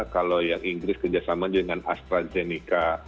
kalau yang inggris kerjasama dengan astrazeneca